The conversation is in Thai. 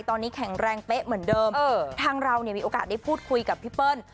ตอนนี้แข็งแรงเป๊ะเหมือนเดิมทางเราเนี่ยมีโอกาสได้พูดคุยกับพี่เปิ้ล